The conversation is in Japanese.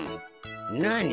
なに？